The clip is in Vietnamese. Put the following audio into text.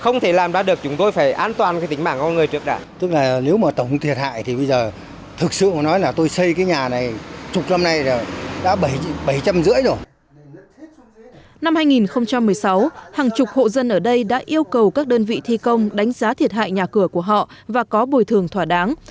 năm hai nghìn một mươi sáu hàng chục hộ dân ở đây đã yêu cầu các đơn vị thi công đánh giá thiệt hại nhà cửa của họ và có bồi thường thỏa đáng